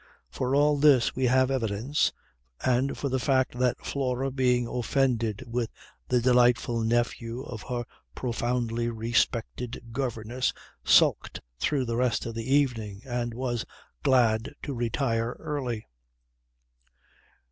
For all this we have evidence, and for the fact that Flora being offended with the delightful nephew of her profoundly respected governess sulked through the rest of the evening and was glad to retire early.